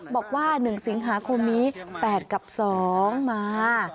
บอกว่า๑สิงหาคมนี้๘กับ๒มา